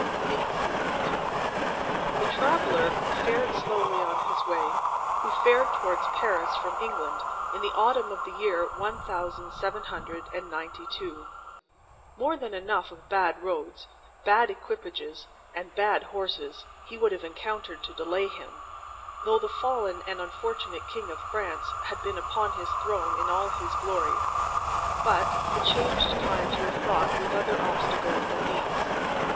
In Secret The traveller fared slowly on his way, who fared towards Paris from England in the autumn of the year one thousand seven hundred and ninety two. More than enough of bad roads, bad equipages, and bad horses, he would have encountered to delay him, though the fallen and unfortunate King of France had been upon his throne in all his glory; but, the changed times were fraught with other obstacles than these.